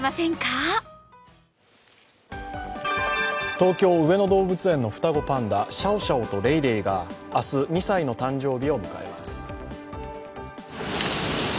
東京・上野動物園の双子パンダシャオシャオとレイレイが明日、２歳の誕生日を迎えます。